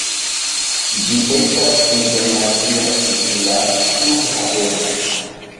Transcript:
Ĝi estas internacia civila flughaveno.